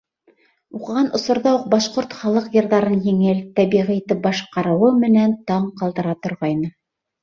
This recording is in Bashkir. Уҡыған осорҙа уҡ башҡорт халыҡ йырҙарын еңел, тәбиғи итеп башҡарыуы менән таң ҡалдыра торғайны.